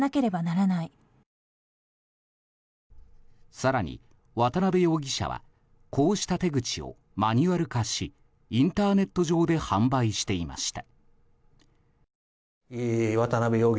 更に、渡邊容疑者はこうした手口をマニュアル化しインターネット上で販売していました。